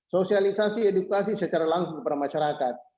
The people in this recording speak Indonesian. sosialisasi edukasi secara langsung kepada masyarakat